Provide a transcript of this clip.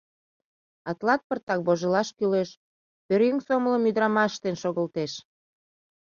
— А тылат пыртак вожылаш кӱлеш: пӧръеҥ сомылым ӱдырамаш ыштен шогылтеш.